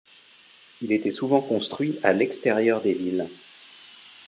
Il était souvent construit à l'extérieur des villes.